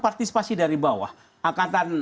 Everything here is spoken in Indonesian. partisipasi dari bawah angkatan